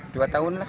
dua tahun lah